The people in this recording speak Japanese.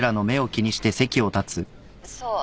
そう。